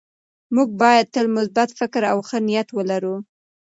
موږ باید تل مثبت فکر او ښه نیت ولرو